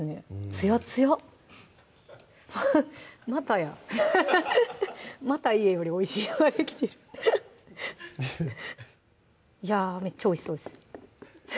ツヤツヤまたやまた家よりおいしいのができてるいやぁめっちゃおいしそうです